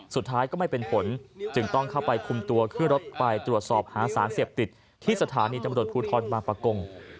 สุดท้ายก็ไม่เป็นผลจึงต้องเข้าไปคุมตัวขึ้นรถไปตรวจสอบหาสารเสพติดที่สถานีตำรวจภูทรบางประกง